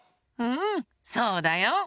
うんそうだよ。